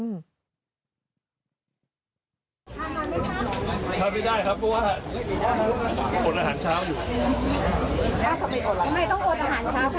ทานน้ำได้ไหมครับทานไม่ได้ครับเพราะว่าอดอาหารเช้าอยู่